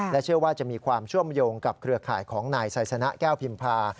เชื่อว่าจะมีความเชื่อมโยงกับเครือข่ายของนายไซสนะแก้วพิมพา